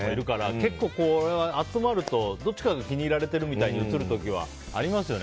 結構、集まるとどっちかが気に入られてるとか映ることもありますよね。